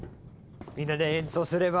みんなで演奏すれば。